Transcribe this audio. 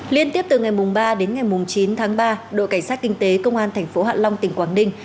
liên tiếp từ ngày ba đến ngày chín tháng ba đội cảnh sát kinh tế công an thành phố hạ long tỉnh quảng ninh